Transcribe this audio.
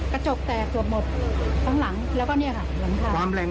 กระจกแตกตรวจหมดข้างหลังแล้วก็นี่ค่ะหลังทาง